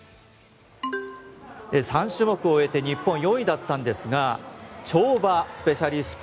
３種目を終えて日本、４位だったんですが跳馬スペシャリスト